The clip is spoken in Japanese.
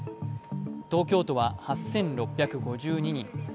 東京都は８６５２人。